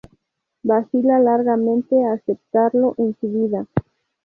Vacila largamente a aceptarlo en su vida.